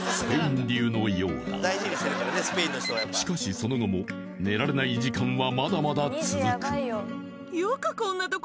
しかしその後も寝られない時間はまだまだ続くアーッ！